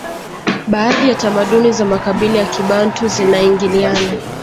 baadhi ya tamaduni za makabila ya kibantu zinaingiliana